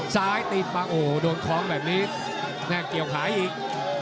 ซ้ายใต้ปังโธนคล้องแบบนี้แค่เกี่ยวขายอีก